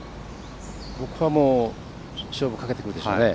ここは勝負かけてくるでしょうね。